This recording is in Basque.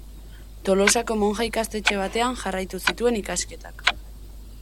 Tolosako monja-ikastetxe batean jarraitu zituen ikasketak.